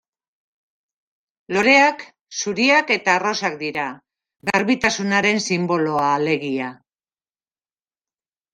Loreak zuriak eta arrosak dira, garbitasunaren sinboloa, alegia.